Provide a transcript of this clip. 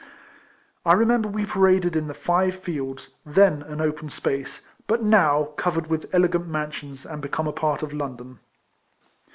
I remember we paraded in the Five Fields, then an open space, but now covered with elegant mansions, and become a part of London.